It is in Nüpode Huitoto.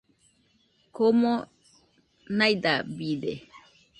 komo naidabide